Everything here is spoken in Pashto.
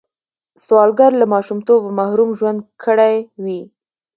سوالګر له ماشومتوبه محروم ژوند کړی وي